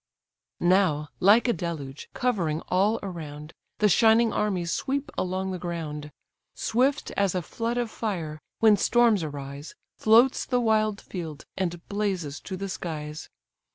Now, like a deluge, covering all around, The shining armies sweep along the ground; Swift as a flood of fire, when storms arise, Floats the wild field, and blazes to the skies.